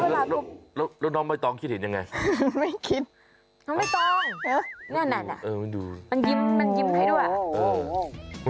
แล้วน้องไม่ต้องคิดเห็นยังไงไม่คิดน้องไม่ต้องแน่นมันยิ้มให้ด้วย